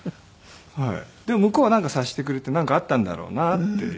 でも向こうはなんか察してくれてなんかあったんだろうなっていう事で。